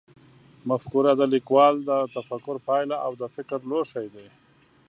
مفکوره د لیکوال د تفکر پایله او د فکر لوښی دی.